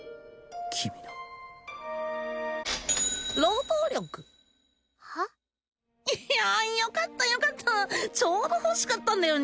君の労働力は？いやよかったよかったちょーど欲しかったんだよ